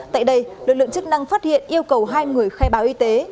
tại đây lực lượng chức năng phát hiện yêu cầu hai người khai báo y tế